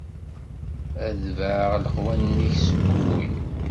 Ad tebɛeɣ leqwanen-ik seg wul.